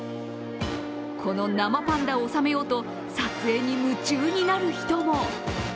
この生パンダを収めようと、撮影に夢中になる人も。